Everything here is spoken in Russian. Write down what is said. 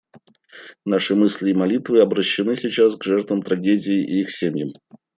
Наши мысли и молитвы обращены сейчас к жертвам трагедии и их семьям.